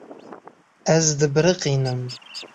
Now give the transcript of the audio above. Ez dibiriqînim.